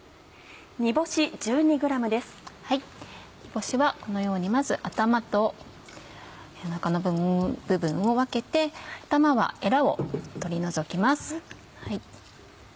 煮干しはこのようにまず頭とおなかの部分を分けて頭はエラを取り除きます。